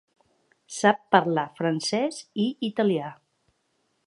Sap parlar francès i italià.